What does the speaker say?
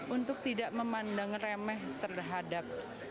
untuk tidak memandang remeh terhadap